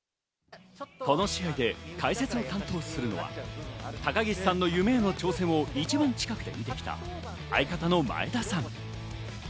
この試合で解説を担当するのは高岸さんの夢への挑戦を一番近くで見てきた相方の前田さん。